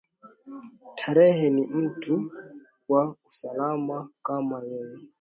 Tetere ni mtu wa usalama kama yeye